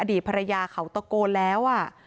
อดีตภรรยาเขาตะโกนแล้วอ่ะ